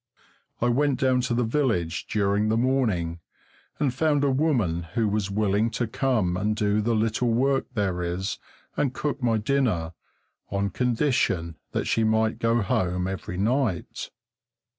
I went down to the village during the morning and found a woman who was willing to come and do the little work there is and cook my dinner, on condition that she might go home every night.